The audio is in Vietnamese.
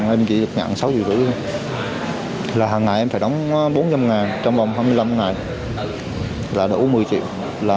mình chỉ được nhận sáu triệu rưỡi thôi là hằng ngày em phải đóng bốn trăm linh ngàn trong vòng hai mươi năm ngày là đủ một mươi triệu